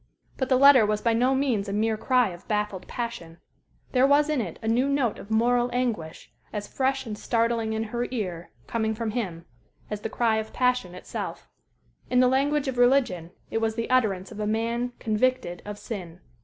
But the letter was by no means a mere cry of baffled passion. There was in it a new note of moral anguish, as fresh and startling in her ear, coming from him, as the cry of passion itself. In the language of religion, it was the utterance of a man "convicted of sin."